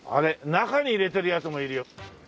中に入れてる奴もいるよ。